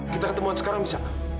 kita ketemuan sekarang bisa